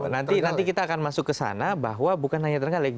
nanti kita akan masuk ke sana bahwa bukan hanya terenggalek